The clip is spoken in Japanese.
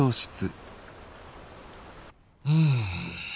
うん。